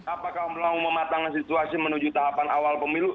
apakah mau mematangkan situasi menuju tahapan awal pemilu